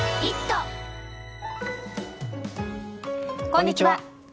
こんにちは。